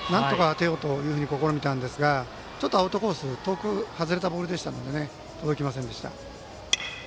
なんとか当てようと試みましたがちょっとアウトコースの遠く外れたボールでしたので届きませんでした。